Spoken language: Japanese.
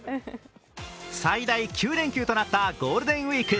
最大９連休となったゴールデンウイーク。